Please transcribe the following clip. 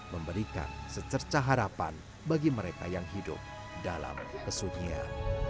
memberikan secerca harapan bagi mereka yang hidup dalam kesunyian